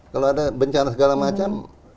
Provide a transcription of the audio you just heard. kalau ada bencana segala macam